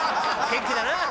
元気だな。